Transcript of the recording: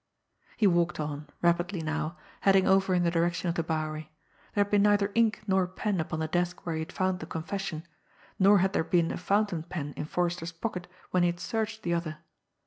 He walked on rapidly now heading over in the direction of the Bowery. There had been neither ink nor pen upon the desk where he had found the confession, nor had there been a fountain pen in Forrester's pocket when he had searched the other!